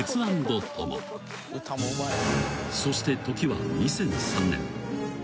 ［そして時は２００３年］